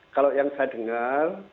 kalau yang saya dengar